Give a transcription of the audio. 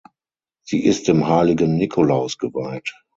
Sie ist dem heiligen Nikolaus geweiht.